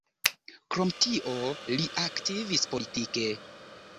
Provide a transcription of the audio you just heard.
Krom tio li aktivis politike.